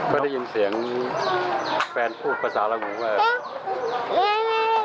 ก็ได้ยินเสียงแฟนพูดภาษาอะไรผมว่า